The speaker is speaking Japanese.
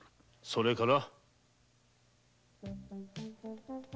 それから？